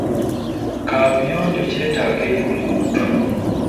Kaabuyonjo kyetaago eri buli muntu.